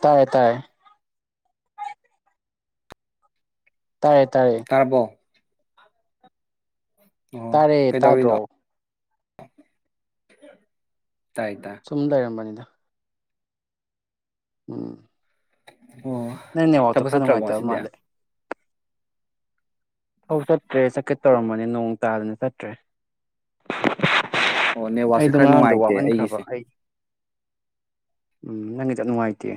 ꯇꯥꯏꯌꯦ ꯇꯥꯏꯌꯦ ꯇꯥꯔꯦ ꯇꯥꯔꯦ ꯇꯥꯔꯕꯣ ꯑꯣ ꯇꯥꯔꯦ ꯇꯥꯗ꯭ꯔꯣ ꯀꯩꯗꯧꯔꯤꯅꯣ [inaudible] ꯇꯥꯏ ꯁꯨꯝ ꯂꯩꯔꯝꯕꯅꯤꯗ ꯎꯝ ꯑꯣ ꯅꯪꯅꯦ ꯋꯥꯇꯣ ꯊꯕꯛ ꯈꯔ ꯆꯠꯇ꯭ꯔꯕꯣ ꯅꯨꯡꯉꯥꯏꯇꯕ ꯉꯁꯤꯗꯤ ꯃꯥꯜꯂꯦ ꯍ ꯁꯠ꯭ꯔꯦ ꯁꯀ ꯇꯧꯔꯝꯕꯅꯦ ꯅꯣꯡ ꯇꯥꯗꯅ ꯆꯠꯇ꯭ꯔꯦ ꯑꯣ ꯅꯦꯠꯋꯥꯛꯁꯦ ꯑꯩꯗꯣ ꯈꯔ ꯉꯔꯥꯡꯗꯣ ꯅꯨꯡꯉꯥꯏꯇꯦ ꯋꯥꯃꯟꯈ꯭ꯔꯕ ꯑꯩꯒꯤꯁꯦ ꯑꯩ ꯎꯝ ꯅꯪꯒꯤꯗ ꯅꯨꯡꯉꯥꯏꯇꯦ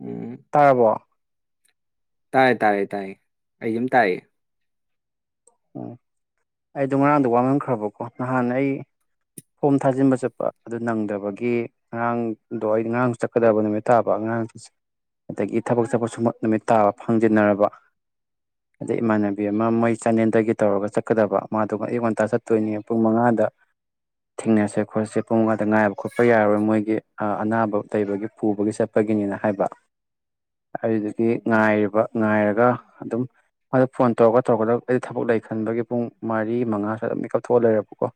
ꯎꯝ ꯇꯥꯔꯕꯣ ꯇꯥꯔꯦ ꯇꯥꯔꯦ ꯇꯥꯏꯦ ꯑꯩ ꯌꯥꯝ ꯇꯥꯏꯦ ꯎꯝ ꯑꯩꯗꯣ ꯉꯔꯥꯡꯗꯣ ꯋꯥꯃꯟꯈ꯭ꯔꯕꯀꯣ ꯅꯍꯥꯟ ꯑꯩ ꯐꯣꯝ ꯊꯥꯖꯤꯟꯕ ꯆꯠꯄ ꯑꯗꯨ ꯅꯪꯗꯕꯒꯤ ꯉꯔꯥꯡꯗꯣ ꯑꯩ ꯉꯔꯥꯡ ꯆꯠꯀꯗꯕ ꯅꯨꯃꯤꯠ ꯇꯥꯕ ꯑꯔꯥꯡ ꯑꯗꯒꯤ ꯊꯕꯛ ꯆꯠꯄꯁꯨ ꯅꯨꯃꯤꯠ ꯇꯥꯕ ꯐꯪꯖꯤꯟꯅꯔꯕ ꯑꯗꯩ ꯏꯃꯥꯟꯅꯕꯤ ꯑꯃ ꯃꯩ ꯀꯦꯅꯦꯟꯗꯒꯤ ꯇꯧꯔꯒ ꯆꯠꯀꯗꯕ ꯃꯥꯗꯣ ꯉ ꯑꯌꯛ ꯉꯟꯇꯥ ꯆꯠꯇꯣꯏꯅꯤ ꯄꯨꯡ ꯃꯉꯥꯗ ꯊꯦꯡꯅꯁꯦ ꯈꯣꯠꯁꯦ ꯄꯨꯡ ꯃꯉꯥꯗ ꯉꯥꯏꯕ ꯈꯣꯠꯄ ꯌꯥꯔꯔꯣꯏ ꯃꯣꯏꯒꯤ ꯑꯅꯥꯕ ꯂꯩꯕꯒꯤ ꯄꯨꯕꯒꯤ ꯆꯠꯄꯒꯤꯅꯤꯅ ꯍꯥꯏꯕ ꯑꯗꯨꯗꯨꯗꯒꯤ ꯉꯥꯏꯔꯤꯕ ꯉꯥꯏꯔꯒ ꯑꯗꯨꯝ ꯃꯥꯗ ꯐꯣꯟ ꯇꯧꯔꯒ ꯑꯩꯗꯤ ꯊꯕꯛ ꯂꯩ ꯈꯟꯕꯒꯤ ꯄꯨꯡ ꯃꯔꯤ ꯃꯉꯥꯁꯨꯋꯥ ꯑꯗꯨꯝ ꯃꯤ ꯀꯥꯊꯣꯛꯑ ꯂꯩꯔꯕꯀꯣ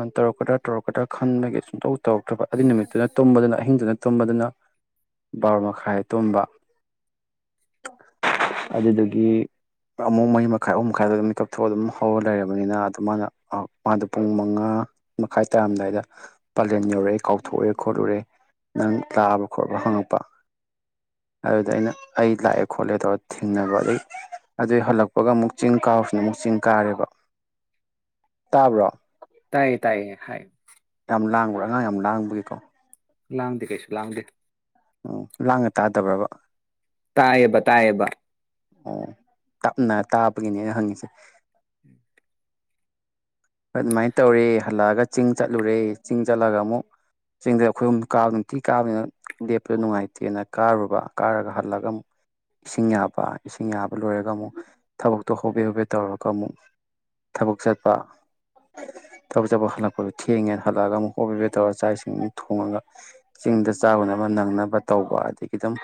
ꯑꯗꯨ ꯇꯧꯔꯛꯀꯗ꯭ꯔꯥ ꯇꯧꯔꯛꯀꯗ꯭ꯔꯥ ꯈꯟꯕꯒꯤ ꯁꯨꯡꯇꯧ ꯇꯧꯔꯛꯇ꯭ꯔꯕ ꯑꯗꯨ ꯅꯨꯃꯤꯠꯇꯨꯅ ꯇꯨꯝꯕꯗꯨꯅ ꯑꯍꯤꯡꯗꯨꯅ ꯇꯨꯝꯕꯗꯨꯅ ꯕꯥꯔ ꯃꯈꯥꯏ ꯇꯨꯝꯕ ꯑꯗꯨꯗꯒꯤ ꯑꯃꯛ ꯃꯩ ꯃꯈꯥꯏ ꯑꯍꯨꯝ ꯃꯈꯥꯏꯗ ꯑꯗꯨꯝ ꯀꯥꯞꯊꯣꯛꯑ ꯑꯗꯨꯝ ꯍꯧꯔ ꯂꯩꯔꯕꯅꯤꯅ ꯑꯗꯨ ꯃꯥꯅ ꯃꯥꯗꯣ ꯄꯨꯡ ꯃꯉꯥ ꯃꯈꯥꯏ ꯇꯥꯔꯝꯗꯥꯏꯗ ꯄꯂꯦꯟ ꯌꯧꯔꯛꯑꯦ ꯀꯥꯎꯊꯣꯛꯑꯦ ꯈꯣꯠꯂꯨꯔꯦ ꯅꯪ ꯂꯥꯛꯑꯕ ꯈꯣꯠꯂꯕ ꯍꯪꯉꯛꯄ ꯑꯗꯨꯗ ꯑꯩꯅ ꯑꯩ ꯂꯥꯛꯑꯦ ꯈꯣꯠꯂꯦ ꯇꯧꯔ ꯊꯦꯡꯅꯕ ꯑꯗꯨꯩ ꯑꯗꯨꯏ ꯍꯜꯂꯛꯄꯒ ꯑꯃꯨꯛ ꯆꯤꯡ ꯀꯥꯎꯁꯤꯅ ꯑꯃꯨꯛ ꯆꯤꯡ ꯀꯥꯔꯦꯕ ꯇꯥꯕ꯭ꯔꯣ ꯇꯥꯏꯌꯦ ꯇꯥꯏꯌꯦ ꯍꯥꯏ ꯌꯥꯝ ꯂꯥꯡꯕ꯭ꯔꯥ ꯑꯉꯥꯡ ꯌꯥꯝ ꯂꯥꯡꯕꯒꯤꯀꯣ ꯂꯥꯎꯗ ꯀꯩꯁꯨ ꯂꯥꯎꯗ ꯎꯝ ꯂꯥꯡꯅ ꯇꯥꯗꯕ꯭ꯔꯕ ꯇꯌꯦꯕ ꯇꯌꯦꯕ ꯑꯣ ꯇꯞꯅ ꯇꯥꯕꯒꯤꯅꯦꯅ ꯍꯪꯉꯤꯁꯦ ꯑꯗꯨꯃꯥꯏꯅ ꯇꯧꯔꯤ ꯍꯜꯂꯛꯑꯒ ꯆꯤꯡ ꯆꯠꯂꯨꯔꯦ ꯆꯤꯡ ꯆꯠꯂꯒ ꯑꯃꯨꯛ ꯆꯤꯡꯗ ꯑꯩꯈꯣꯏ ꯑꯃꯛ ꯀꯥꯕ ꯅꯨꯡꯇꯤ ꯀꯥꯕꯅꯤꯅ ꯂꯦꯞꯄꯗ ꯅꯨꯡꯉꯥꯏꯇꯦꯅ ꯀꯥꯔꯨꯕ ꯀꯥꯔꯒ ꯍꯜꯂꯒ ꯑꯃꯨꯛ ꯏꯁꯤꯡ ꯌꯥꯕ ꯏꯁꯤꯡ ꯌꯥꯕ ꯂꯣꯏꯔꯒ ꯑꯃꯨꯛ ꯊꯕꯛꯇꯣ ꯍꯣꯕꯦ ꯍꯣꯕꯦ ꯇꯧꯔꯒ ꯑꯃꯨꯛ ꯊꯕꯛ ꯆꯠꯄ ꯊꯕꯛ ꯆꯠꯄꯛ ꯍꯜꯂꯛꯄꯗꯣ ꯊꯦꯡꯉꯦꯅ ꯍꯜꯂꯛꯑꯒ ꯑꯃꯨꯛ ꯍꯣꯞ ꯕꯦꯠ ꯇꯧꯔꯒ ꯆꯥꯛ ꯏꯁꯤꯡ ꯊꯣꯡꯉꯒ ꯆꯤꯡꯗ ꯆꯥꯨꯅꯕ ꯅꯪꯅꯕ ꯇꯧꯕ ꯑꯗꯒꯤ ꯑꯗꯨꯝ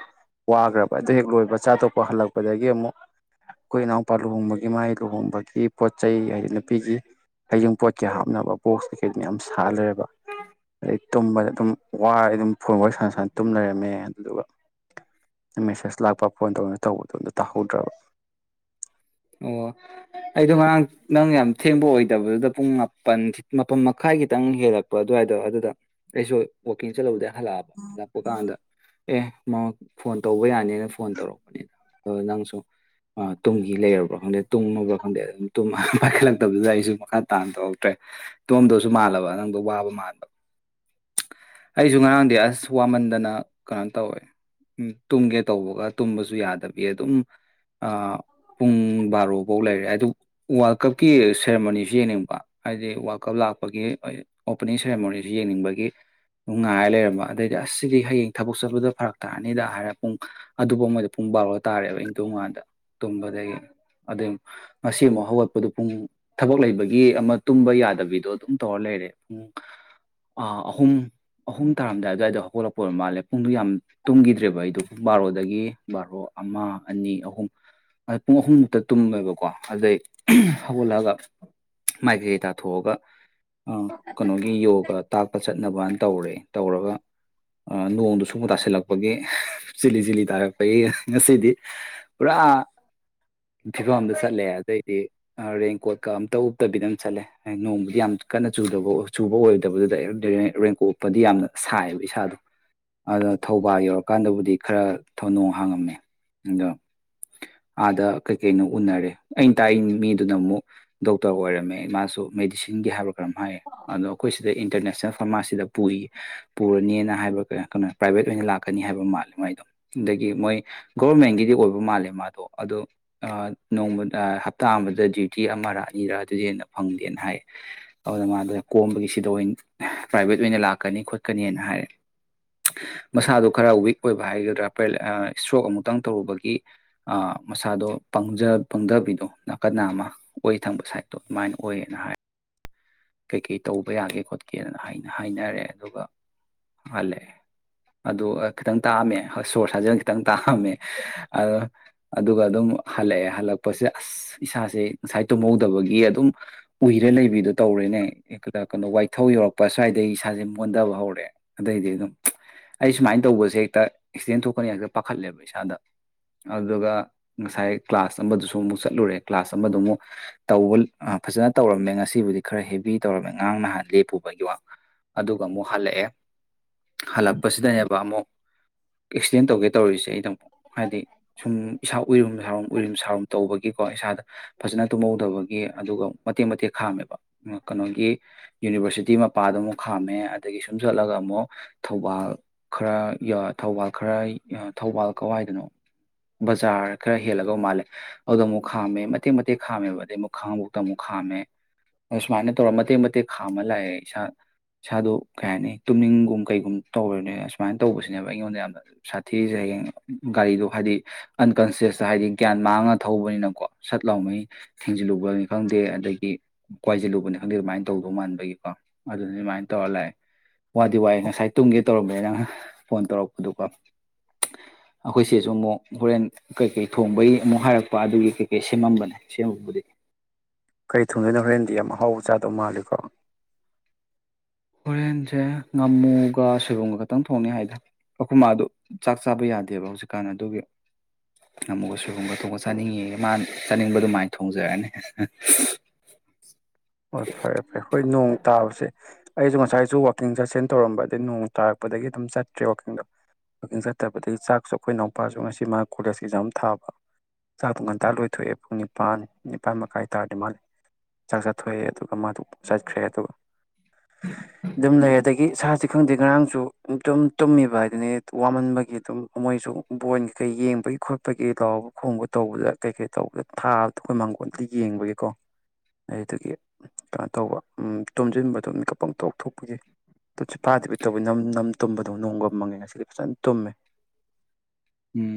ꯋꯥꯈ꯭ꯔꯕ ꯑꯗꯨ ꯍꯦꯛ ꯂꯣꯏꯕ ꯆꯥ ꯑ ꯊꯣꯛꯄ ꯍꯜꯂꯛꯄꯗꯒꯤ ꯑꯃꯨꯛ ꯑꯩꯈꯣꯏ ꯏꯅꯥꯎꯄꯥ ꯂꯨꯍꯣꯡꯕꯒꯤ ꯃꯥꯒꯤ ꯂꯨꯍꯣꯡꯕꯒꯤ ꯄꯣꯠ ꯆꯩ ꯍꯥꯏꯗꯤ ꯅꯨꯄꯤꯒꯤ ꯍꯥꯏꯖꯤꯡ ꯄꯣꯠ ꯀꯩ ꯍꯥꯞꯅꯕ ꯕꯣꯛꯁ ꯀꯩꯀꯩ ꯌꯥꯝ ꯁꯥꯠꯜꯂꯔꯦꯕ ꯑꯗꯩ ꯇꯨꯝꯕꯗ ꯑꯗꯨꯝ ꯋꯥꯔ ꯑꯗꯨꯝ ꯐꯨꯠꯕ ꯁꯅ ꯇꯨꯝ ꯂꯩꯔꯝꯃꯦ ꯑꯗꯨꯗꯨꯒ ꯃꯦꯁꯦꯖ ꯂꯥꯛꯄ ꯐꯣꯟ ꯇꯧꯅ ꯇꯧꯕꯗꯣ ꯑꯝꯗ ꯇꯥꯍꯧꯗ꯭ꯔꯕ ꯑꯣ ꯑꯩꯗꯣ ꯉꯔꯥꯡ ꯅꯪ ꯌꯥꯝ ꯊꯦꯡꯕ ꯑꯣꯏꯗꯕꯗꯨꯗ ꯄꯨꯡ ꯃꯥꯄꯟ ꯃꯥꯄꯟ ꯃꯈꯥꯏ ꯈꯤꯇꯪ ꯍꯦꯜꯂꯛꯄ ꯑꯗꯨꯋꯥꯏꯗꯣ ꯑꯗꯨꯗ ꯑꯩꯁꯨ ꯋꯥꯛꯀꯤꯡ ꯆꯠꯍꯧꯗꯦ ꯍꯜꯂꯛꯑꯕ ꯍꯜꯂꯛꯄ ꯀꯥꯟꯗ ꯑꯦ ꯃ ꯐꯣꯟ ꯇꯧꯕ ꯌꯥꯅꯤꯅ ꯐꯣꯟ ꯇꯧꯔꯛꯄꯅꯤꯅ ꯑꯗꯣ ꯅꯪꯁꯨ ꯇꯨꯡꯒꯤ ꯂꯩꯔꯕ ꯭ꯔꯥ ꯈꯪꯗꯦ ꯇꯨꯝꯅꯕ꯭ꯔꯥ ꯈꯪꯗꯦ ꯑꯗꯨꯝ ꯄꯥꯏꯈꯠꯂꯛꯇꯕꯗꯨꯗ ꯑꯩꯁꯨ ꯃꯈꯥ ꯇꯥꯅ ꯇꯧꯍꯧꯛꯇ꯭ꯔꯦ ꯇꯣꯝꯗꯧꯁꯨ ꯃꯥꯜꯂꯕ ꯅꯪꯗꯣ ꯋꯥꯕ ꯃꯥꯟꯕ ꯑꯩꯁꯨ ꯉꯔꯥꯡꯗꯤ ꯑꯁ ꯋꯥꯃꯟꯗꯅ ꯀꯩꯅꯣ ꯇꯧꯋꯦ ꯎ ꯇꯨꯝꯒꯦ ꯇꯧꯕꯒ ꯇꯨꯝꯕꯁꯨ ꯌꯥꯗꯕꯤ ꯑꯗꯨꯝ ꯑ ꯄꯨꯡ ꯕꯥꯔꯣꯐꯧ ꯂꯩꯔꯦ ꯍꯥꯏ ꯋꯥꯔꯜ ꯀꯞꯀꯤ ꯁꯦꯔꯦꯃꯣꯅꯤꯁꯤ ꯌꯦꯡꯅꯤꯡꯕ ꯍꯥꯏꯗꯤ ꯋꯥ ꯀꯞ ꯂꯥꯛꯄꯒꯤ ꯑꯣꯄꯅꯤꯡ ꯁꯦꯔꯦꯃꯣꯅꯤꯁꯤ ꯌꯦꯡꯅꯤꯡꯕꯒꯤ ꯅꯨꯡ ꯉꯥꯏꯔ ꯂꯩꯔꯝꯕ ꯑꯗꯩꯗꯤ ꯑꯁꯁꯤꯗꯤ ꯍꯌꯦꯡ ꯊꯕꯛ ꯆꯠꯄꯗ ꯐꯔꯛ ꯇꯥꯔꯅꯤꯗ ꯍꯥꯏꯔ ꯄꯨꯡ ꯑꯗꯨꯐꯥꯎ ꯑꯃꯗ ꯄꯨꯡ ꯕꯥꯔꯂꯣ ꯇꯥꯔꯦꯕ ꯏꯪꯊꯣ ꯉꯥꯗ ꯇꯨꯝꯕꯗꯒꯤ ꯑꯗꯩ ꯉꯁꯤ ꯑꯃꯨꯛ ꯍꯧꯒꯠꯄꯗꯨꯣ ꯄꯨꯡ ꯊꯕꯛ ꯂꯩꯕꯒꯤ ꯑꯃ ꯇꯨꯝꯕ ꯌꯥꯗꯕꯤꯗꯣ ꯑꯗꯨꯝ ꯇꯧꯔ ꯂꯩꯔꯦ ꯄꯨꯡ ꯑꯍꯨꯝ ꯑꯍꯨꯝ ꯇꯥꯔꯝꯗꯥꯏ ꯑꯗꯨꯋꯥꯏꯗ ꯍꯧꯒꯠꯂꯛꯄ ꯑꯣꯏ ꯃꯥꯜꯂꯦ ꯄꯨꯡꯗꯨꯣ ꯌꯥꯝ ꯇꯨꯝꯈꯤꯗ꯭ꯔꯦꯕ ꯑꯩꯗꯣ ꯄꯨꯡ ꯕꯥꯔꯣꯗꯒꯤ ꯕꯥꯔꯣ ꯑꯃ ꯑꯅꯤ ꯑꯍꯨꯝ ꯄꯨꯡ ꯑꯍꯨꯝꯃꯨꯛꯇ ꯇꯨꯝꯃꯦꯕꯀꯣ ꯑꯗꯨꯗꯩ ꯍꯧꯒꯠꯂꯛꯒ ꯃꯥꯏꯀꯩꯀꯩ ꯇꯥꯊꯣꯛꯑꯒ ꯑ ꯀꯩꯅꯣꯒꯤ ꯌꯣꯒ ꯇꯥꯛꯄꯁ ꯆꯠꯅꯕꯅ ꯇꯧꯔꯦ ꯇꯧꯔꯒ ꯅꯣꯡꯗꯨ ꯁꯨꯨꯝꯕ ꯇꯥꯁꯤꯜꯂꯛꯄꯒꯤ ꯆꯤꯂꯤ ꯆꯤꯂꯤ ꯇꯥꯔꯛꯄꯒꯤ ꯉꯁꯤꯗꯤ ꯄꯨꯔꯥ ꯐꯤꯕꯝꯗ ꯆꯠꯂꯦ ꯑꯗꯩꯗꯤ ꯔꯦꯟꯀꯣꯠꯀ ꯑꯝꯇ ꯎꯞꯇꯕꯤꯗ ꯆꯠꯂꯦ ꯅꯣꯡꯕꯨꯗꯤ ꯌꯥꯝ ꯀꯟꯅ ꯆꯨꯗꯕ ꯆꯨꯕ ꯑꯣꯏꯗꯕꯗꯨꯗ ꯔꯦꯡꯀꯣꯛ ꯎꯞꯄꯗꯤ ꯌꯥꯝꯅ ꯁꯥꯏꯕ ꯏꯁꯥꯗꯣ ꯑꯗ ꯊꯧꯕꯥꯜ ꯌꯧꯔꯀꯥꯟꯗꯕꯨꯗꯤ ꯈꯔ ꯅꯣꯡ ꯍꯥꯡꯉꯝꯃꯦ ꯑꯗꯣ ꯑꯥꯗ ꯀꯩ ꯀꯩꯅꯣ ꯎꯅꯔꯦ ꯑꯩꯅ ꯇꯥꯛꯏ ꯃꯤꯗꯨꯅ ꯑꯃꯨꯛ ꯗꯣꯛꯇꯔ ꯑꯣꯏꯔꯝꯃꯦ ꯃꯥꯁꯨ ꯃꯦꯗꯤꯁꯤꯟꯒꯤ ꯍꯥꯏꯔ ꯀꯔꯝ ꯍꯥꯏꯌꯦ ꯑꯗꯣ ꯑꯩꯈꯣꯏ ꯁꯤꯗ ꯏꯟꯇꯔꯅꯦꯁꯅꯦꯜ ꯐꯥꯔꯃꯥꯁꯤꯗ ꯄꯨꯔꯤ ꯄꯨꯔꯅꯤꯅ ꯍꯥꯏꯕ ꯀꯩꯅꯣ ꯄ꯭ꯔꯥꯏꯚꯦꯠ ꯑꯣꯏꯅ ꯂꯥꯛꯀꯅꯤ ꯍꯥꯏꯕ ꯃꯥꯜꯂꯦ ꯃꯥꯏꯗꯣ ꯑꯗꯒꯤ ꯃꯣꯏ ꯒꯣꯚꯔꯃꯦꯟꯒꯤꯗꯤ ꯑꯣꯏꯕ ꯃꯥꯜꯂꯦ ꯃꯥꯗꯣ ꯑꯗꯨ ꯅꯣꯡꯃꯗ ꯍꯞꯇꯥ ꯑꯃꯗ ꯗ꯭ꯌꯨꯇꯤ ꯑꯃꯔ ꯑꯅꯤꯔ ꯑꯗꯨꯗꯤ ꯍꯦꯟꯅ ꯐꯪꯗꯦꯅ ꯍꯥꯏ ꯑꯗꯨꯅ ꯃꯥꯗꯨ ꯀꯣꯝꯕꯒꯤꯁꯤꯗ ꯑꯣꯏꯅ ꯄ꯭ꯔꯥꯏꯚꯦꯠ ꯑꯣꯏꯅ ꯂꯥꯛꯀꯅꯤ ꯈꯣꯠꯀꯅꯤꯅ ꯍꯥꯏꯔꯦ ꯃꯁꯥꯗꯣ ꯈꯔ ꯋꯤꯛ ꯑꯣꯏꯕ ꯍꯥꯏꯒꯗ꯭ꯔꯥ ꯏꯁꯇ꯭ꯔꯣꯛ ꯑꯃꯨꯛꯇꯪ ꯇꯧꯔꯨꯕꯒꯤ ꯃꯁꯥꯗꯣ ꯄꯪꯊꯕꯤꯗꯣ ꯅꯥꯀꯟ ꯅꯥ ꯑꯃ ꯑꯣꯏ ꯊꯪꯕ ꯁꯥꯏꯗꯠꯇꯣ ꯑꯗꯨꯃꯥꯏꯅ ꯑꯣꯏꯌꯦꯅ ꯍꯥꯏ ꯀꯩꯀꯩ ꯇꯧꯕ ꯌꯥꯒꯦ ꯈꯣꯠꯀꯦꯅ ꯍꯥꯏꯅ ꯍꯥꯏꯅꯔꯦ ꯑꯗꯨꯒ ꯍꯜꯂꯛꯑꯦ ꯑꯗꯨ ꯈꯤꯇꯪ ꯇꯥꯛꯑꯝꯃꯦ ꯁꯣꯔꯁ ꯁꯥꯖꯤꯅ ꯈꯤꯇꯪ ꯇꯥꯛꯑꯝꯃꯦ ꯑꯗꯨꯒ ꯑꯗꯨꯝ ꯍꯜꯂꯛꯑꯦ ꯍꯜꯂꯛꯄꯁꯤꯗ ꯑꯁ ꯏꯁꯥꯁꯦ ꯉꯁꯥꯏ ꯇꯨꯝꯍꯧꯗꯕꯒꯤ ꯑꯗꯨꯝ ꯎꯏꯔ ꯇꯧꯔꯦꯅꯦ ꯀꯩꯅꯣ ꯋꯥꯏꯊꯧ ꯌꯧꯔꯛꯄ ꯁ꯭ꯋꯥꯏꯗ ꯑꯩ ꯏꯁꯥꯁꯦ ꯑꯣꯣꯟꯟꯊꯕ ꯍꯧꯔꯛꯦ ꯑꯗꯩꯗꯤ ꯑꯗꯨꯝ ꯑꯩ ꯁꯨꯃꯥꯏꯅ ꯇꯧꯕꯁꯦ ꯍꯦꯛꯇ ꯑꯦꯛꯁꯤꯗꯦꯟ ꯊꯣꯛꯀꯅꯤ ꯍꯦꯛꯇ ꯄꯥꯈꯠꯂꯦꯕ ꯏꯁꯥꯗ ꯑꯗꯨꯒ ꯉꯁꯥꯏ ꯀ꯭ꯂꯥꯁ ꯑꯃꯗꯨꯁꯨ ꯑꯃꯨꯛ ꯆꯠꯂꯨꯔꯦ ꯀ꯭ꯂꯥꯁ ꯑꯃꯗ ꯑꯃꯨꯛ ꯇꯧꯕ ꯐꯖꯅ ꯇꯧꯔꯝꯃꯦ ꯉꯁꯤꯕꯨꯗꯤ ꯈꯔ ꯍꯦꯚ ꯇꯧꯔꯝꯃꯦ ꯉꯉꯥꯡ ꯅꯍꯥꯟ ꯂꯦꯞꯄꯨꯕꯒꯤ ꯋꯥ ꯑꯗꯨꯒ ꯑꯃꯨꯛ ꯍꯜꯂꯛꯑꯦ ꯍꯜꯂꯛꯄꯁꯤꯗꯅꯦꯕ ꯑꯃꯨꯛ ꯑꯦꯛꯁꯤꯗꯦꯟ ꯇꯧꯒꯦ ꯇꯧꯔꯤꯁꯦ ꯑꯩꯗ ꯑꯃꯨꯛ ꯍꯥꯏꯗꯤ ꯁꯨꯝ ꯏꯁꯥ ꯎꯏꯔꯨꯝ ꯁꯥꯎꯔꯨꯝ ꯎꯏꯔꯨꯝ ꯁꯥꯎꯔꯨꯝ ꯇꯧꯕꯒꯤꯀꯣ ꯏꯁꯥꯗ ꯐꯖꯅ ꯇꯨꯝꯍꯧꯗꯕꯒꯤ ꯑꯗꯨꯒ ꯃꯇꯦꯛ ꯃꯇꯦꯛ ꯈꯥꯝꯃꯦꯕ ꯀꯩꯅꯣꯒꯤ ꯌꯨꯅꯤꯕꯔꯁꯤꯇꯤ ꯃꯄꯥꯗ ꯑꯃꯨꯛ ꯈꯥꯝꯃꯦ ꯑꯗꯒꯤ ꯁꯨꯝ ꯆꯠꯂꯒ ꯑꯃꯨꯛ ꯊꯧꯕꯥꯜ ꯈꯔ ꯊꯧꯕꯥꯜ ꯈꯔ ꯊꯧꯕꯥꯜ ꯀꯋꯥꯏꯗꯅꯣ ꯕꯖꯥꯔ ꯈꯔ ꯍꯦꯜꯂꯒ ꯃꯥꯜꯂꯦ ꯑꯗꯨꯗ ꯑꯃꯨꯛ ꯈꯥꯝꯃꯦ ꯃꯇꯦꯛ ꯃꯇꯦꯛ ꯈꯥꯝꯃꯦꯕ ꯑꯗꯩ ꯑꯃꯨꯛ ꯈꯥꯡꯉꯕꯣꯛꯇ ꯑꯃꯨꯛ ꯈꯥꯝꯃꯦ ꯑꯗ ꯁꯨꯃꯥꯏꯅ ꯇꯧꯔꯒ ꯃꯇꯦꯛ ꯃꯇꯦꯛ ꯈꯥꯝꯃ ꯂꯥꯛꯑꯦ ꯏꯁꯥ ꯏꯁꯥꯗ ꯀꯩ ꯍꯥꯏꯅꯤ ꯇꯨꯝꯅꯤꯡꯒꯨꯝ ꯀꯩꯒꯨꯝ ꯇꯧꯔꯅꯤꯅ ꯁꯨꯃꯥꯏꯅ ꯇꯧꯕꯁꯤꯅꯦꯕ ꯑꯩꯉꯣꯟꯗ ꯌꯥꯝꯅ ꯁꯥꯊꯤꯁꯦ ꯍꯌꯦꯡ ꯒꯥꯔꯤꯗꯣ ꯍꯥꯏꯗꯤ ꯑꯟꯀꯟꯁꯤꯌꯁꯇ ꯍꯥꯏꯗꯤ ꯒ꯭ꯌꯥꯟ ꯃꯥꯡꯉꯒ ꯊꯧꯕꯅꯤꯅꯀꯣ ꯁꯠ ꯂꯥꯎꯉꯩ ꯊꯦꯡꯖꯤꯜꯂꯨꯕꯅꯤ ꯈꯪꯗꯦ ꯑꯗꯒꯤ ꯀꯏꯁꯤꯜꯂꯨꯕꯅꯤ ꯈꯪꯗꯦ ꯑꯗꯨꯃꯥꯏꯅ ꯇꯧꯗꯧ ꯃꯥꯟꯕꯒꯤꯀꯣ ꯑꯗꯨꯅ ꯑꯗꯨꯃꯥꯏꯅ ꯇꯧꯔ ꯂꯥꯛꯑꯦ ꯋꯥꯗꯤ ꯋꯥꯏꯦ ꯉꯁꯥꯏ ꯇꯨꯡꯒꯦ ꯇꯧꯔꯝꯕꯅ ꯅꯪ ꯐꯣꯟ ꯇꯧꯔꯛꯄ ꯑꯗꯨꯒ ꯑꯩꯈꯣꯏꯁꯦꯁꯨ ꯑꯃꯨꯛ ꯍꯣꯔꯦꯟ ꯀꯩꯀꯩ ꯊꯣꯡꯕꯒꯤ ꯑꯃꯨꯛ ꯍꯥꯏꯔꯛꯄ ꯑꯗꯨꯒꯤ ꯀꯩꯀꯩ ꯁꯦꯝꯃꯝꯕꯅꯦ ꯁꯦꯝꯃꯕꯨꯗꯤ ꯀꯔꯤ ꯊꯨꯡꯗꯣꯏꯅꯣ ꯍꯣꯔꯦꯟꯗꯤ ꯌꯥꯝ ꯑꯍꯥꯎꯕ ꯆꯥꯗꯧ ꯃꯥꯜꯂꯤꯀꯣ ꯍꯣꯔꯦꯟꯁꯦ ꯉꯥꯃꯨꯒ ꯁꯣꯏꯕꯨꯝꯒ ꯈꯛꯇꯪ ꯊꯣꯡꯅꯤ ꯍꯥꯏꯗꯔ ꯑꯩꯈꯨꯝ ꯃꯥ ꯑꯗꯨ ꯆꯥꯛ ꯆꯥꯕ ꯌꯥꯗꯦꯕ ꯍꯧꯖꯤꯛꯀꯥꯟ ꯑꯗꯨꯒꯤ ꯉꯥꯃꯨꯒ ꯁꯣꯏꯕꯨꯝꯒ ꯊꯣꯡꯒ ꯆꯥꯅꯤꯡꯉꯦ ꯃꯥꯅ ꯆꯥꯅꯤꯡꯕ ꯑꯗꯨꯃꯥꯏꯅ ꯊꯣꯡꯖꯔꯛꯑꯅꯤ ꯍꯣꯏ ꯐꯔꯦ ꯐꯔꯦ ꯍꯈꯣꯏ ꯅꯣꯡ ꯇꯥꯕꯁꯦ ꯑꯩꯁꯨ ꯉꯁꯥꯏꯁꯨ ꯋꯀꯤꯡ ꯆꯠꯁꯤꯟ ꯇꯧꯔꯝꯕ ꯑꯗꯩ ꯅꯣꯡ ꯇꯥꯔꯛꯄꯗꯒꯤ ꯑꯗꯨꯝ ꯆꯠꯇ꯭ꯔꯦ ꯋꯥꯛꯀꯤꯡꯗꯣ ꯋꯥꯛꯀꯤꯡ ꯆꯠꯇꯕꯗꯒꯤ ꯆꯥꯛꯁꯨ ꯑꯩꯈꯣꯏꯅꯥꯎꯄꯥꯁꯨ ꯉꯁꯤ ꯃꯥ ꯀꯣꯂꯦꯖ ꯑꯦꯛꯖꯥꯝ ꯊꯥꯕ ꯆꯥ ꯇꯨꯡ ꯉꯥꯟꯇꯥꯔ ꯂꯣꯏꯊꯣꯛꯑꯦ ꯄꯨꯛꯅꯤꯡ ꯅꯤꯄꯥꯅꯤ ꯅꯤꯄꯥꯥꯟ ꯃꯈꯥꯏ ꯇꯥꯔꯗꯤ ꯃꯥꯜꯜꯂꯤꯦꯥꯛ ꯊꯣꯛꯑꯦ ꯑꯗꯨꯒ ꯃꯥꯗꯨ ꯆꯠꯈ꯭ꯔꯦ ꯑꯗꯨꯒ ꯑꯗꯨꯝ ꯂꯩꯕ ꯑꯩꯒꯤ ꯁꯥꯁꯤ ꯈꯪꯗꯦ ꯉꯔꯥꯡꯁꯨ ꯑꯗꯨꯝ ꯇꯨꯝꯃꯤꯕ ꯍꯥꯏꯗꯨꯅꯤ ꯋꯥꯃꯟꯕꯒꯤ ꯑꯗꯨꯝ ꯃꯣꯏꯁꯨ ꯕꯣꯟ ꯀꯩꯀꯩ ꯌꯦꯡꯕꯒꯤ ꯈꯣꯠꯄꯒꯤ ꯂꯥꯎꯕ ꯈꯣꯡꯕ ꯇꯧꯕꯗ ꯀꯩ ꯀꯩ ꯇꯧꯕꯗ ꯊꯥꯕꯗꯣ ꯑꯩꯈꯣꯏ ꯃꯥꯡꯒꯣꯟꯗꯤ ꯌꯦꯡꯕꯒꯤꯀꯣ ꯑꯗꯒꯤ ꯀꯩꯅꯣ ꯇꯧꯕ ꯇꯣꯝꯁꯤꯟꯕꯗꯣ ꯃꯤꯀꯞ ꯑꯃꯝꯇ ꯑꯣꯊꯣꯛꯄꯒꯤꯦ ꯇ ꯄꯄꯥꯗꯕꯤ ꯇꯕꯨ ꯅ ꯅ ꯇꯨꯝꯕꯗꯣ ꯅꯣꯡꯒ ꯃꯪꯉꯦ ꯉꯁꯤꯗꯤ ꯐꯖꯅ ꯇꯨꯝꯃꯦ ꯎꯝ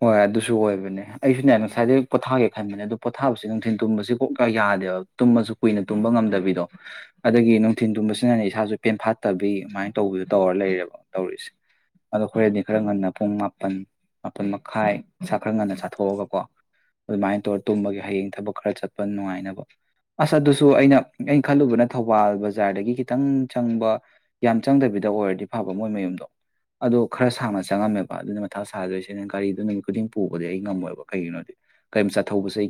ꯍꯣꯏ ꯑꯗꯨꯁꯨ ꯑꯣꯏꯕꯅꯦ ꯑꯩꯁꯨꯅꯦ ꯉꯁꯥꯏꯗꯒꯤꯩ ꯄꯣꯊꯥꯒꯦ ꯈꯟꯕꯅꯦ ꯑꯗꯨ ꯄꯣꯊꯥꯁꯦ ꯅꯨꯡꯊꯤꯤꯟ ꯇꯨꯝꯕꯁꯤ ꯀꯣꯛꯀ ꯌꯥꯗꯦꯕ ꯇꯨꯝꯃꯁꯨ ꯀꯨꯏꯅ ꯇꯨꯝꯕ ꯉꯝꯗꯕꯤꯗꯣ ꯑꯗꯒꯤ ꯅꯨꯡꯊꯤꯟ ꯇꯨꯝꯕꯁꯤꯅꯅꯦ ꯏꯁꯥꯁꯨ ꯄꯦꯟꯐꯥꯠꯇꯕꯤ ꯑꯗꯨꯃꯥꯏꯅ ꯇꯧꯕꯤꯗꯣ ꯇꯧꯔ ꯂꯩꯔꯦꯕ ꯇꯧꯔꯤꯁꯦ ꯑꯗꯣ ꯈꯔꯦꯟꯗꯤ ꯈꯔ ꯉꯟꯅ ꯄꯨꯡ ꯃꯥꯄꯜ ꯃꯥꯄꯜ ꯃꯈꯥꯏ ꯁꯥ ꯈꯔ ꯉꯟꯅ ꯆꯥꯊꯣꯛꯑꯒꯀꯣ ꯑꯗꯨꯃꯥꯏꯅ ꯇꯧꯔ ꯇꯨꯝꯕꯒꯤ ꯍꯌꯦꯡ ꯊꯕꯛ ꯈꯔ ꯆꯠꯄ ꯅꯨꯡꯉꯥꯏꯅꯕ ꯑꯁ ꯑꯗꯨꯁꯨ ꯑꯩꯅ ꯑꯩꯅ ꯈꯜꯂꯨꯕꯅ ꯊꯧꯕꯥꯜ ꯕꯖꯥꯔꯗꯒꯤ ꯈꯤꯇꯪ ꯆꯪꯕ ꯌꯥꯝ ꯆꯪꯗꯕꯤꯗ ꯑꯣꯏꯔꯗꯤ ꯐꯕ ꯃꯣꯏ ꯃꯌꯨꯝꯗꯣ ꯑꯗꯣ ꯈꯔ ꯁꯥꯡꯅ ꯆꯪꯉꯝꯃꯦꯕ ꯑꯗꯨꯅ ꯄꯊꯥ ꯁꯥꯗꯣꯏꯁꯤꯅ ꯒꯥꯔꯤꯗꯨ ꯅꯨꯃꯤꯠ ꯈꯨꯗꯤꯡ ꯄꯨꯕꯗꯤ ꯑꯩ ꯉꯝꯃꯣꯏꯕ ꯀꯩꯒꯤꯅꯣꯗꯤ ꯀꯔꯤꯝ ꯆꯠꯊꯧꯕꯁꯦ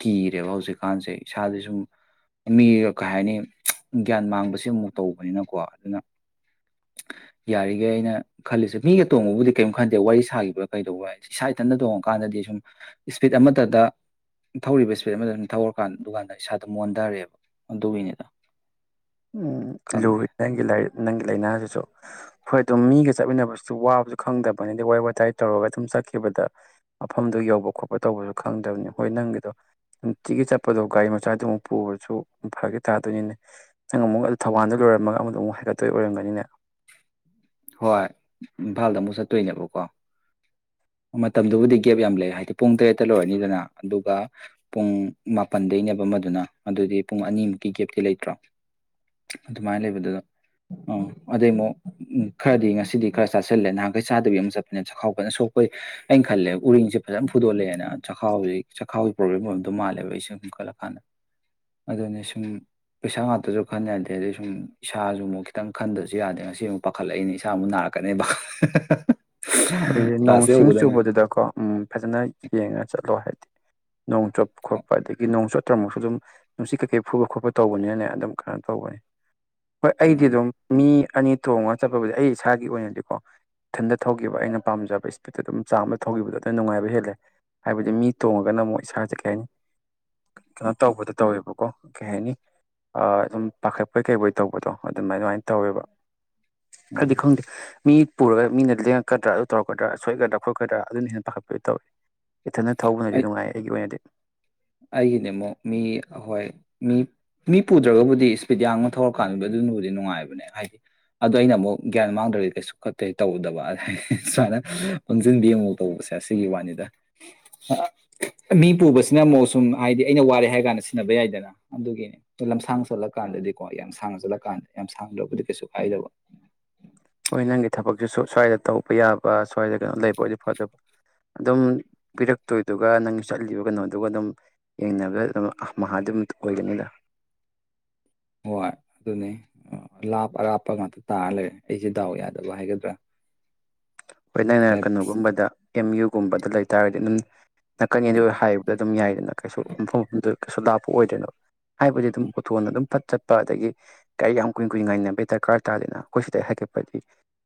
ꯀꯤꯔꯦꯕ ꯍꯧꯖꯤꯛꯀꯥꯟꯁꯦ ꯏꯁꯥꯗ ꯁꯨꯝ ꯃꯤꯒ ꯀꯩ ꯍꯥꯏꯅꯤ ꯒ꯭ꯌꯥꯟ ꯃꯥꯡꯕꯁꯤ ꯑꯃꯨꯛ ꯇꯧꯕꯅꯤꯅꯀꯣ ꯑꯗꯨꯅ ꯌꯥꯔꯤꯈꯩ ꯑꯩꯅ ꯈꯜꯂꯤꯁꯦ ꯃꯤꯒ ꯇꯣꯡꯕꯕꯨꯗꯤ ꯀꯔꯤꯝ ꯈꯟ ꯑꯗ ꯋꯥꯔꯤ ꯁꯥꯈꯤꯕ ꯀꯩꯗꯧꯕ ꯍꯥꯏꯦ ꯏꯁꯥ ꯏꯊꯟꯇ ꯇꯣꯡꯉꯀꯥꯟꯗꯗꯤ ꯁꯨꯝ ꯏꯁꯄꯤꯠ ꯑꯃꯠꯇꯗ ꯊꯧꯔꯤꯕ ꯏꯁꯄꯤꯠ ꯑꯃꯗ ꯁꯨꯝ ꯊꯧꯔꯀꯥꯟꯗꯨꯀꯥꯟꯗ ꯏꯁꯥꯗ ꯃꯣꯟꯊꯔꯦꯕ ꯑꯗꯨꯒꯤꯅꯤꯗ ꯎꯝ ꯂꯣ ꯈꯪꯗꯦ ꯅꯪ ꯂꯥꯔꯠ ꯅꯪ ꯂꯥꯏꯅꯥꯁꯤꯁꯨ ꯍꯣꯏ ꯑꯗꯨꯝ ꯃꯤꯒ ꯆꯠꯃꯤꯟꯅꯕꯁꯤꯁꯨ ꯋꯥꯕꯁꯨ ꯈꯪꯗꯕꯅꯤ ꯑ ꯋꯥꯔꯤ ꯋꯥꯇꯥꯏ ꯇꯧꯔꯒ ꯑꯗꯨꯝ ꯆꯠꯈꯤꯕꯗ ꯃꯐꯝꯗꯨ ꯌꯧꯕ ꯈꯣꯠꯄ ꯇꯧꯕꯁꯨ ꯈꯪꯗꯕꯅꯤ ꯍꯣꯏ ꯅꯪꯒꯤꯗꯣ ꯅꯨꯡꯇꯤꯒꯤ ꯆꯠꯄꯗꯣ ꯒꯥꯔꯤ ꯃꯆꯥꯗꯨꯃꯨꯛ ꯄꯨꯕꯁꯨ ꯐꯥꯒꯤ ꯇꯥꯗꯣꯏꯅꯤꯅꯦ ꯅꯪ ꯑꯃꯨꯛ ꯑꯗꯨ ꯊꯧꯕꯥꯜꯗ ꯂꯣꯏꯔꯝꯃꯒ ꯑꯃꯨꯗ ꯑꯃꯨꯛ ꯍꯥꯏꯒꯠꯇꯣꯏ ꯑꯣꯏꯔꯝꯒꯅꯤꯅꯦ ꯍꯣꯏ ꯏꯝꯐꯥꯜꯗ ꯑꯃꯨꯛ ꯆꯠꯇꯣꯏꯅꯦꯕꯀꯣ ꯃꯇꯝꯗꯨꯕꯨꯗꯤ ꯒꯦꯞ ꯌꯥꯝ ꯂꯩ ꯍꯥꯏꯗꯤ ꯄꯨꯡ ꯇꯔꯦꯠꯇ ꯂꯣꯏꯔꯅꯤꯗꯅ ꯑꯗꯨꯒ ꯄꯨꯡ ꯃꯥꯄꯟꯗꯩꯅꯦꯕ ꯑꯃꯗꯨꯅ ꯑꯗꯨꯗꯤ ꯄꯨꯡ ꯑꯅꯤꯃꯨꯛꯀꯤ ꯒꯦꯞꯇꯤ ꯂꯩꯇ꯭ꯔꯣ ꯑꯗꯨꯃꯥꯏꯅ ꯂꯩꯕꯗꯨꯗ ꯑꯥ ꯑꯗꯨꯩ ꯑꯃꯨꯛ ꯈꯔꯗꯤ ꯉꯁꯤꯗꯤ ꯈꯔ ꯆꯥꯁꯤꯜꯂꯦ ꯅꯍꯥꯟꯈꯩ ꯆꯥꯗꯕꯤ ꯑꯃ ꯆꯠꯄꯅꯤꯅ ꯆꯥꯛꯈꯥꯎ ꯐꯖꯅ ꯁꯣꯛꯄꯩ ꯑꯩꯅ ꯈꯜꯂꯦ ꯎꯔꯤꯡꯁꯦ ꯐꯖꯅ ꯐꯨꯗꯣꯂꯛꯑꯦꯅ ꯆꯥꯛꯈꯥꯎꯁꯤ ꯆꯥꯛꯈꯥꯎꯒꯤ ꯄ꯭ꯔꯣꯕ꯭ꯂꯦꯝ ꯑꯣꯏꯕꯗꯣ ꯃꯥꯜꯂꯦꯕ ꯏ ꯁꯨꯝ ꯈꯠꯂꯀꯥꯟꯗ ꯑꯗꯨꯅꯤ ꯁꯨꯝ ꯄꯩꯁꯥ ꯉꯥꯛꯇꯁꯨ ꯈꯟ ꯌꯥꯗꯦ ꯑꯗꯩ ꯁꯨꯝ ꯏꯁꯥꯁꯨ ꯑꯃꯨꯛ ꯈꯤꯇꯪ ꯈꯟꯗꯁꯨ ꯌꯥꯗꯦ ꯉꯁꯤ ꯑꯃꯨꯛ ꯄ ꯄꯈꯠꯂꯛꯏꯅꯦ ꯏꯁꯥꯃꯛꯨꯛ ꯅꯥꯔꯛꯀꯅꯦꯕ ꯍꯣꯏꯁ ꯅꯣꯡ ꯀ꯭ꯂꯥꯁ ꯁꯤꯡ ꯌꯧꯕꯗꯅꯦ ꯆꯨꯕꯗꯨꯗꯀꯣ ꯎꯝ ꯐꯖꯅ ꯌꯦꯡꯉ ꯆꯠꯂꯣ ꯍꯥꯏ ꯅꯣꯡ ꯆꯣꯞ ꯈꯣꯠꯄ ꯑꯗꯒꯤ ꯅꯣꯡꯆꯣꯨꯞ ꯅꯠꯇ꯭ꯔꯃꯨꯛꯁꯨ ꯑꯗꯨꯝ ꯅꯨꯡꯁꯤꯠ ꯀꯩꯀꯩ ꯐꯨꯕ ꯈꯣꯠꯄ ꯇꯧꯕꯅꯤꯅꯅꯦ ꯑꯗꯨꯝ ꯀꯩꯅꯣ ꯇꯧꯕꯅꯤ ꯍꯣꯏ ꯑꯩꯗꯤ ꯎꯝ ꯑꯗꯨꯝ ꯃꯤ ꯑꯅꯤ ꯇꯣꯡꯉꯒ ꯆꯠꯄꯕꯨꯗꯤ ꯑꯩ ꯏꯁꯥꯒꯤ ꯑꯣꯏꯅꯗꯤꯀꯣ ꯏꯊꯟꯇ ꯊꯧꯒ ꯈꯤꯕ ꯑꯩꯅ ꯄꯥꯝꯖꯕ ꯏꯁꯄꯤꯠꯇꯣ ꯑꯗꯨꯝ ꯆꯥꯝꯃ ꯊꯧꯈꯤꯕꯗꯣ ꯑꯗꯨꯝ ꯅꯨꯡꯉꯥꯏꯕ ꯍꯦꯜꯂꯦ ꯍꯥꯏꯕꯗꯤ ꯃꯤ ꯇꯣꯡꯉꯒꯅ ꯑꯃꯨꯛ ꯏꯁꯥꯁꯦ ꯀꯩ ꯍꯥꯏꯅꯤ ꯀꯩꯅꯣ ꯇꯧꯕꯗꯣ ꯇꯧꯋꯦꯕꯀꯣ ꯀꯩ ꯍꯥꯏꯅꯤ ꯑꯗꯨꯝ ꯄꯥꯈꯠꯄꯣꯏ ꯀꯩꯕꯣꯏ ꯇꯧꯕꯗꯣ ꯑꯗꯨꯃꯥꯏ ꯑꯗꯨꯃꯥꯏꯅ ꯇꯧꯋꯦꯕ ꯑꯩꯅꯥ ꯎꯝ ꯈꯡꯕꯩ ꯃꯤ ꯄꯨꯔꯒ ꯃꯤ ꯅ ꯀꯀꯗ꯭ꯔꯥ ꯑꯗꯨ ꯇꯧꯔꯛꯀ꯭ꯔꯥꯣꯏꯒꯗ꯭ꯔꯥ ꯈꯣꯠꯀꯗ꯭ꯔꯥ ꯑꯗꯨ ꯍꯦꯟꯅ ꯄꯥꯈꯠꯄꯤꯗꯨ ꯇꯧꯋꯏ ꯏꯊꯟꯅ ꯊꯧꯕꯅꯗꯤ ꯅꯨꯡꯉꯥꯏ ꯑꯩꯒꯤ ꯑꯣꯏꯅꯗꯤ ꯑꯩꯒꯤꯅꯦ ꯑꯃꯨꯛ ꯃꯤ ꯍꯣꯏ ꯃꯤ ꯃꯤ ꯄꯨꯗ꯭ꯔꯒꯕꯨꯗꯤ ꯏꯁꯄꯤꯠꯌꯥꯡꯅ ꯊꯧꯔꯀꯥꯟꯗ ꯑꯗꯨꯅꯕꯨꯗꯤ ꯅꯨꯡꯉꯥꯏꯕꯅꯦ ꯍꯥꯏꯗꯤ ꯑꯗꯣ ꯑꯩꯅ ꯑꯃꯨꯛ ꯒ꯭ꯌꯥꯟ ꯃꯥꯡꯗ꯭ꯔꯒꯗꯤ ꯀꯩꯁꯨ ꯀꯠꯇꯦ ꯇꯧꯗꯕꯗꯤ ꯁꯨꯃꯥꯏꯅ ꯑꯣꯟꯁꯤꯟꯕꯤ ꯌꯦꯡꯉꯨꯛ ꯇꯧꯕꯁꯦ ꯑꯁꯤꯒꯤ ꯋꯥꯅꯤꯗ ꯃꯤ ꯄꯨꯕꯁ ꯁꯤꯅꯝꯃꯑꯣ ꯁꯨꯝ ꯍꯥꯏꯗꯤ ꯑꯩꯅ ꯋꯥꯔꯦ ꯍꯥꯏꯔ ꯀꯥꯟꯗ ꯁꯤꯟꯅꯕ ꯌꯥꯏꯗꯅ ꯑꯗꯨꯒꯤꯅꯤ ꯂꯝꯁꯥꯡ ꯆꯠꯂ ꯀꯥꯟꯗꯗꯤꯀꯣ ꯌꯥꯝ ꯁꯥꯡꯅ ꯆꯠꯂ ꯀꯥꯟꯗꯗꯤ ꯌꯥꯝ ꯁꯥꯡꯗ꯭ꯔꯕꯨꯗꯤ ꯀꯩꯁꯨ ꯀꯥꯏꯗꯕ ꯍꯣꯏ ꯅꯪꯒꯤ ꯊꯕꯛꯁꯨ ꯁ꯭ꯋꯥꯏꯗ ꯇꯧꯕ ꯌꯥꯕ ꯁ꯭ꯋꯥꯏꯗ ꯀꯩꯅꯣ ꯂꯩꯕ ꯑꯣꯏꯗꯤ ꯐ ꯑꯗꯨꯕ ꯑꯗꯨꯝ ꯄꯤꯔꯛꯇꯣꯏꯗꯨꯒ ꯅꯪ ꯆꯠꯂꯤꯕ ꯀꯩꯅꯣꯗꯨꯒ ꯑꯗꯨꯝ ꯌꯦꯡꯅꯕꯗ ꯑꯗꯨꯝ ꯃꯍꯥꯗꯨꯃ ꯑꯣꯏꯒꯅꯤꯗ ꯍꯣꯏ ꯑꯗꯨꯅꯤ ꯂꯥꯞ ꯑꯔꯥꯞꯄ ꯉꯥꯛꯇ ꯇꯥꯔ ꯂꯩꯔꯦ ꯑꯩꯁꯦ ꯗꯥꯎ ꯌꯥꯗꯕ ꯍꯥꯏꯒꯗ꯭ꯔꯥ ꯍꯣꯏꯅꯅꯔꯛꯀꯅꯨꯒꯨꯝꯕꯗ ꯑꯦꯝ ꯌꯨ ꯒꯨꯝꯕꯗ ꯂꯩꯇꯥꯔꯒꯗꯤ ꯑꯗꯨꯝ ꯅꯛꯀꯅꯤ ꯑꯗꯨ ꯍꯥꯏꯕꯗ ꯑꯗꯨꯝ ꯌꯥꯏꯗꯅ ꯀꯩꯁꯨ ꯃꯐꯝ ꯃꯐꯝꯗ ꯀꯩꯁꯨ ꯂꯥꯞꯄ ꯑꯣꯏꯗꯣꯏꯅꯦꯕ ꯍꯥꯏꯕꯗꯤ ꯑꯗꯨꯝ ꯎꯊꯣꯟꯅ ꯑꯗꯨꯝ ꯐꯠ ꯆꯠ ꯆꯠꯄ ꯑꯗꯒꯤ ꯒꯥꯔꯤ ꯌꯥꯝ ꯀꯨꯏ ꯀꯨꯏꯅ ꯉꯥꯏꯅꯕꯩ ꯗꯔꯀꯥꯔ ꯑꯣꯏ ꯇꯥꯔꯗꯅ ꯑꯩꯈꯣꯏ ꯁꯤꯗ ꯍꯥꯏꯒꯠꯄꯗꯤ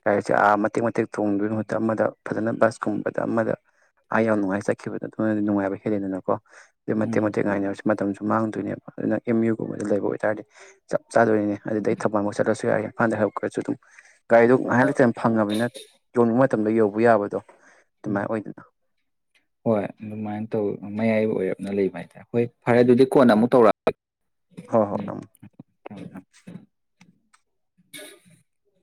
ꯒꯥꯔꯤꯁꯦ ꯑꯥ ꯃꯇꯦꯛ ꯃꯇꯦꯛ ꯇꯣꯡꯗꯣꯏꯩ ꯃꯍꯨꯠꯇ ꯑꯃꯗ ꯐꯖꯅ ꯕꯁꯀꯨꯝꯕꯗ ꯑꯃꯗ ꯑꯥ ꯌꯥꯝ ꯅꯨꯡꯉꯥꯏ ꯆꯠꯈꯤꯕꯗꯣ ꯑꯗꯨꯗꯤ ꯅꯨꯡꯉꯥꯏꯕ ꯍꯦꯜꯂꯤꯗꯅꯀꯣ ꯑ ꯃꯇꯦꯛ ꯎꯝ ꯃꯇꯦꯛ ꯉꯥꯏꯅꯕꯕꯁꯤ ꯃꯇꯝꯁꯨ ꯃꯥꯡꯗꯣꯏꯅꯦꯕ ꯑꯗꯨꯅ ꯑꯦꯝ ꯌꯨꯒꯨꯝꯕꯗ ꯂꯩꯕ ꯑꯣꯏꯇꯥꯔꯗꯤ ꯆꯞ ꯆꯥꯗꯣꯔꯤꯅꯦ ꯑꯗꯨꯗꯩ ꯊꯕꯛ ꯑꯃ ꯆꯠꯂꯁꯨ ꯌꯥꯏ ꯍꯥꯟꯗꯤ ꯍꯥꯞ ꯈꯣꯏꯁꯨ ꯗꯨꯝ ꯒꯥꯔꯤꯗꯣ ꯉꯥꯏꯍꯥꯛ ꯂꯩꯇꯅ ꯐꯪꯉꯕꯅꯤꯅꯠ ꯃꯇꯝꯗ ꯌꯧꯕ ꯌꯥꯕꯗꯣ ꯎꯝ ꯑꯗꯨꯃꯥꯏꯅ ꯑꯣꯏꯗꯅ ꯍꯣꯏ ꯑꯗꯨꯃꯥꯏꯟ ꯇꯧ ꯃꯌꯥꯏ ꯑꯣꯏꯔꯞꯅ ꯂꯩꯕ ꯍꯥꯏꯇꯥꯔ ꯍꯣꯏ ꯐꯔꯦ ꯑꯗꯨꯗꯤ ꯀꯣꯟ ꯑꯃꯨꯛ ꯇꯧꯔꯛꯑꯛ ꯍꯣ ꯍꯣ ꯑꯝ [inaudible]